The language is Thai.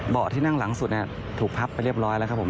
ที่นั่งหลังสุดถูกพับไปเรียบร้อยแล้วครับผม